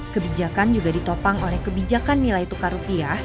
kebijakan juga ditopang oleh kebijakan nilai tukar rupiah